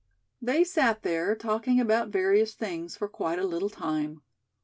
They sat there, talking about various things, for quite a little time.